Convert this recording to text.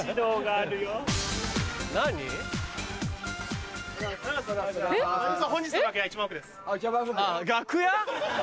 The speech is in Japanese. あぁ楽屋！